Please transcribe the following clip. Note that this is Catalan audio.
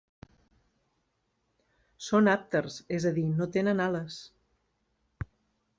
Són àpters, és a dir, no tenen ales.